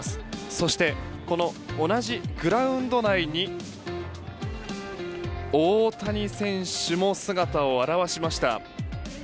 そして、この同じグラウンド内に大谷選手も姿を現しました。